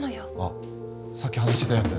あさっき話してたやつ？